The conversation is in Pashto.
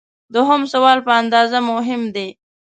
دوهم سوال په اندازه مهم دی.